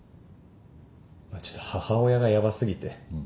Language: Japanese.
まあちょっと母親がやばすぎて。